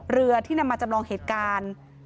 เรือที่นำมาจำลองเหตุการณ์